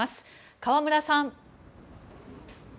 河村さん。